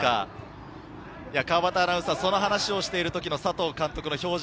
川畑アナウンサー、その話をしている時の佐藤監督の表情